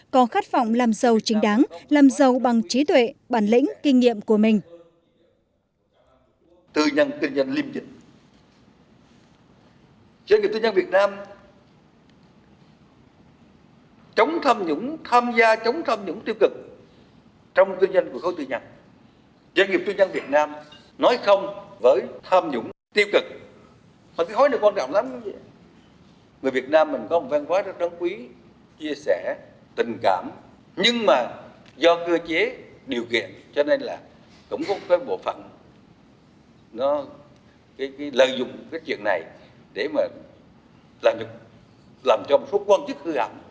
có khát vọng làm giàu chính đáng làm giàu bằng trí tuệ bản lĩnh kinh nghiệm của mình